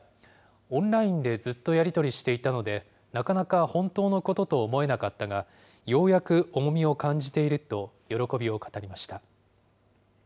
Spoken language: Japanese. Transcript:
オンラインでずっとやり取りしていたので、なかなか本当のことと思えなかったが、ようやく重みを感じていると、喜びを語りました。